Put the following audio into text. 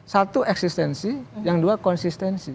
satu eksistensi yang dua konsistensi